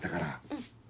うん。